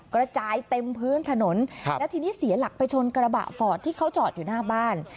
กระจายเต็มพื้นถนนแล้วทีนี้เสียหลักไปชนกระบะฟอร์ดที่เขาจอดอยู่หน้าบ้าน